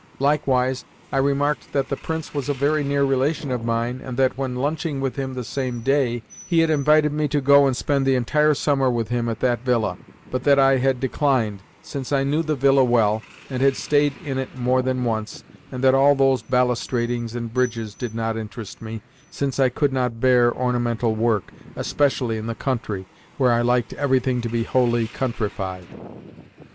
Likewise, I remarked that the Prince was a very near relation of mine, and that, when lunching with him the same day, he had invited me to go and spend the entire summer with him at that villa, but that I had declined, since I knew the villa well, and had stayed in it more than once, and that all those balustradings and bridges did not interest me, since I could not bear ornamental work, especially in the country, where I liked everything to be wholly countrified.